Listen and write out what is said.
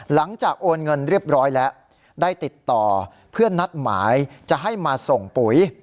โอนเงินเรียบร้อยแล้วได้ติดต่อเพื่อนนัดหมายจะให้มาส่งปุ๋ย